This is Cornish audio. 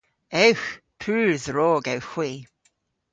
Ewgh. Pur dhrog ewgh hwi.